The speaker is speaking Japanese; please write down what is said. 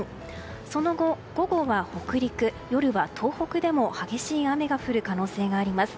その後、午後は北陸夜は東北でも激しい雨が降る可能性があります。